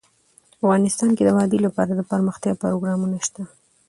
افغانستان کې د وادي لپاره دپرمختیا پروګرامونه شته.